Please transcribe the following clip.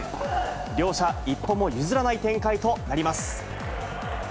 両者、一歩も譲らない展開となります。